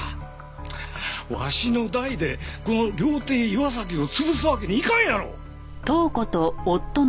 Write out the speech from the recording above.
わしの代でこの料亭岩崎を潰すわけにいかんやろ！